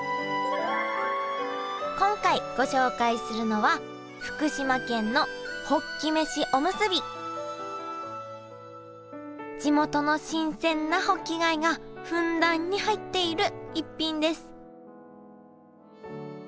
今回ご紹介するのは地元の新鮮なホッキ貝がふんだんに入っている逸品です